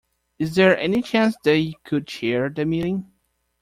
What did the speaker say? Is there any chance that you could chair the meeting?